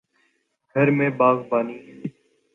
گھر میں باغبانی